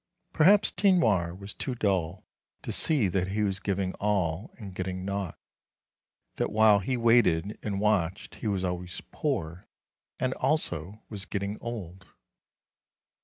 Perhaps Tinoir was too dull to see that he was giving all and getting naught ; that while he waited and watched he was always poor, and also was getting old.